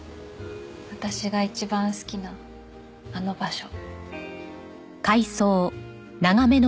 私が一番好きなあの場所。